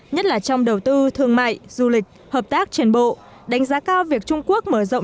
nhất là trong đầu tư thương mại du lịch hợp tác trên bộ đánh giá cao việc trung quốc mở rộng